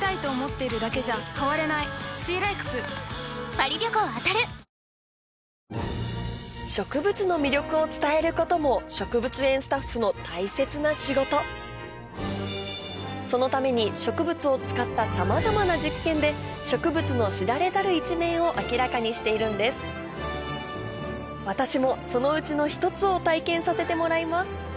このような開花調整技術によって植物園が行うそのために植物を使ったさまざまな実験で植物の知られざる一面を明らかにしているんです私もそのうちの一つを体験させてもらいます